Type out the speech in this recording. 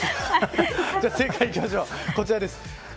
正解はこちらです。